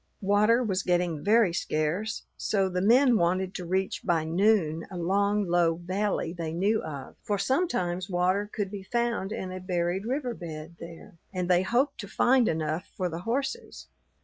Water was getting very scarce, so the men wanted to reach by noon a long, low valley they knew of; for sometimes water could be found in a buried river bed there, and they hoped to find enough for the horses.